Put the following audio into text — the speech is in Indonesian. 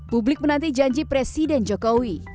publik menanti janji presiden jokowi